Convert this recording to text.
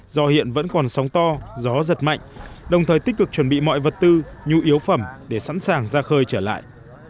do hiện vẫn còn sóng to gió giật mạnh đồng thời tích cực chuẩn bị mọi vật tư nhu yếu phẩm để sẵn sàng ra khơi trở lại